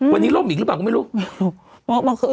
วันนี้ร่มอีกหรือเปล่าก็ไม่รู้